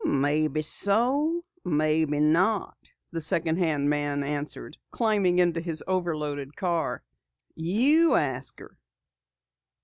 "Maybe so, maybe not," the second hand man answered, climbing into his overloaded car. "You ask her."